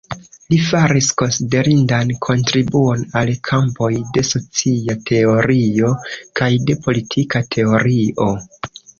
Li faris konsiderindan kontribuon al kampoj de socia teorio kaj de politika teorio.